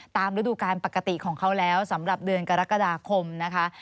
ฤดูการปกติของเขาแล้วสำหรับเดือนกรกฎาคมนะคะ